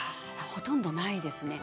ほとんどないですね。